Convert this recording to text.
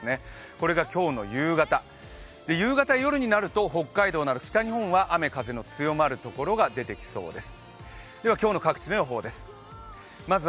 これが今日の夕方、夕方夜になると北海道など北日本は雨・風の強まるところが出てきそうです。